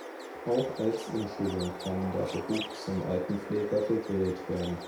Auch als Umschulung kann der Beruf zum Altenpfleger gewählt werden.